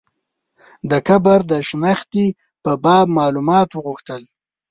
د قبر د شنختې په باب معلومات وغوښتل.